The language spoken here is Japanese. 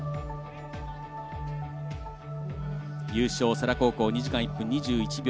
優勝、世羅高校２時間１分２１秒。